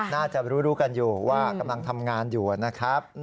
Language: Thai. น่าจะรู้กันอยู่ว่ากำลังทำงานอยู่นะครับ